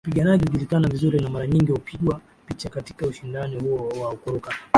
Wapiganaji hujulikana vizuri na mara nyingi hupigwa picha katika ushindani huo wa kuruka